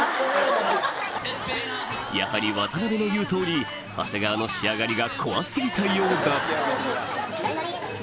やはり渡辺の言う通り長谷川の仕上がりが怖過ぎたようだ